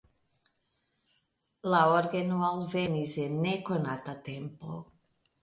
La orgeno alvenis en nekonata tempo.